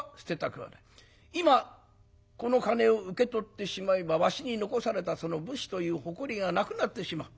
今この金を受け取ってしまえばわしに残されたその武士という誇りがなくなってしまう。